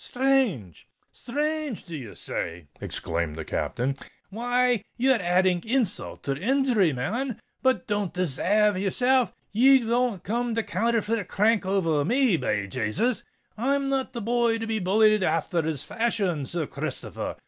"Sthrange!—sthrange! do ye say?" exclaimed the Captain. "Why, ye're adding insult to injury, man. But don't desayve yourself—ye won't come the counterfeit crank over me, be Jasus! I'm not the boy to be bullied afther this fashion, Sir Christopher r.